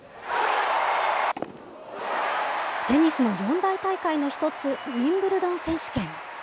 テニスの四大大会の一つ、ウィンブルドン選手権。